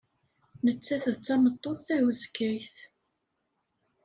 Nettat d tameṭṭut tahuskayt.